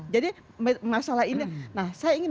jadi masalah ini nah saya ingin